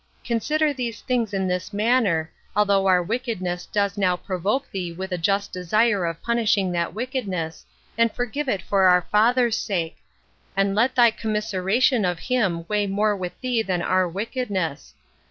Consider these things in this manner, although our wickedness does now provoke thee with a just desire of punishing that wickedness, and forgive it for our father's sake; and let thy commiseration of him weigh more with thee than our wickedness.